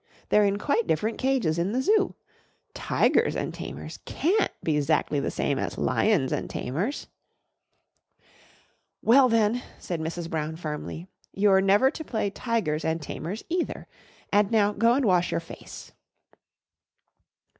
They're in quite different cages in the Zoo. 'Tigers an' Tamers' can't be 'zactly the same as 'Lions an' Tamers.'" "Well, then," said Mrs. Brown firmly, "you're never to play 'Tigers and Tamers' either. And now go and wash your face."